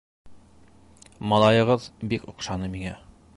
- Малайығыҙ бик оҡшаны миңә.